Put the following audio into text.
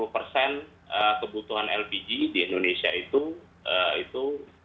lima puluh persen kebutuhan lpg di indonesia itu itu